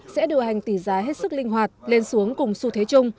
sẽ điều hành tỷ giá hết sức linh hoạt lên xuống cùng xu thế chung